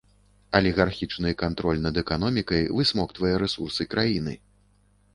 Алігархічны кантроль над эканомікай высмоктвае рэсурсы краіны.